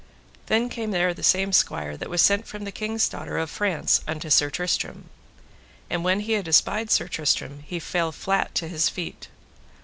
Then came there the same squire that was sent from the king's daughter of France unto Sir Tristram. And when he had espied Sir Tristram he fell flat to his feet.